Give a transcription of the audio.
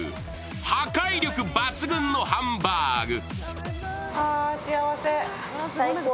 破壊力抜群のハンバーグ。